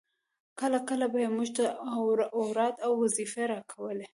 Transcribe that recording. کله کله به يې موږ ته اوراد او وظيفې راکولې.